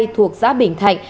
thuộc giã bình thạnh